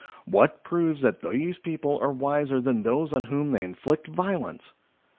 What proves that these people are wiser than those on whom they inflict violence ?